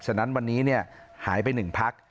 ฉะนั้นวันนี้หายไป๑พัก